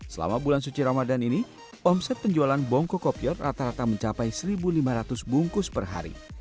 selama bulan suci ramadan ini omset penjualan bongko kopior rata rata mencapai satu lima ratus bungkus per hari